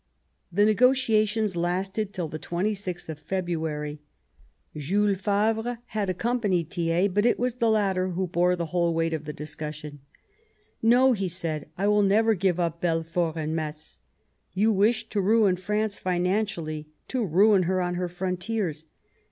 The negotiations lasted till the 26th of February. Jules Favre had accompanied Thiers, but it was the latter who bore the whole weight of the dis cussion. "No," he said, " I will never give up Belfort and Metz. You wish to ruin France financially, to ruin her on her frontiers.